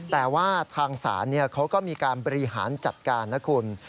แต่ว่าทางศาลเขาก็มีการบริหารจัดการนะคุณ